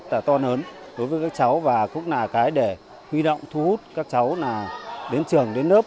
đối với các cháu và khúc nà cái để huy động thu hút các cháu đến trường đến lớp